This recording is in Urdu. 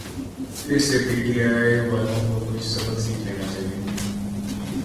اسی سے پی ٹی آئی والوں کو کچھ سبق سیکھ لینا چاہیے۔